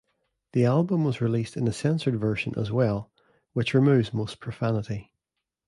The album was released in a censored version as well which removes most profanity.